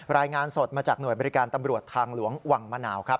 รายงานสดมาจากหน่วยบริการตำรวจทางหลวงวังมะนาวครับ